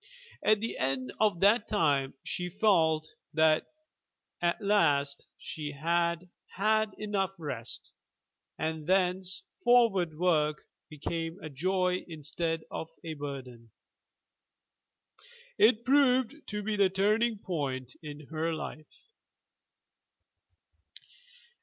At the end of that time she felt that, at last, she had had enough rest, and thence forward work became a joy instead of a burden. It proved to be the turning point in her life.